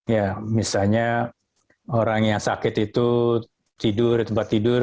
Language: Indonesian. ya misalnya orang yang sakit itu tidur di tempat tidur